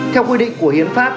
theo quy định của hiến pháp